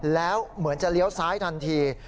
แล้วเหมือนจะเลี้ยวซ้ายทันที